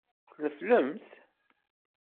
Tneflemt.